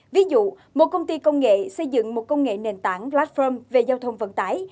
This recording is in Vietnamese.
ví dụ một công ty công nghệ xây dựng một công nghệ nền tảng platform về giao thông vận tải